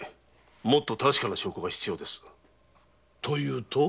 もっと確かな証拠が必要です。というと？